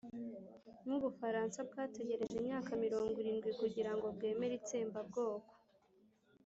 nk'u bufaransa bwategereje imyaka mirogwirirwi kugira ngo bwemera itsembabwoko